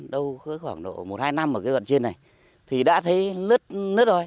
đâu có khoảng độ một hai năm ở cái đoạn trên này thì đã thấy nứt rồi